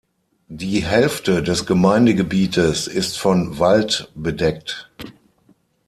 Die Hälfte des Gemeindegebietes ist von Wald bedeckt.